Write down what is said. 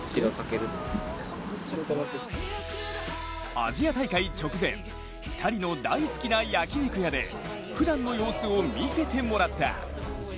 アジア大会直前、２人の大好きな焼き肉屋でふだんの様子を見せてもらった。